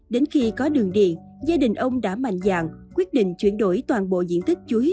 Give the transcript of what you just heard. đến khi có đường điện gia đình ông đã mạnh dạng quyết định chuyển đổi toàn bộ diện tích chuối